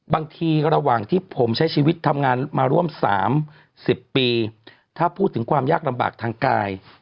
บางทีระหว่างที่ผมใช้ชีวิตทำงานมาร่วม๓๐ปีถ้าพูดถึงความยากลำบากทางกาย